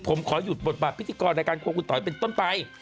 ผมขอหยุดบทบาทพิธีกรรายการครัวคุณต๋อยเป็นต้นไป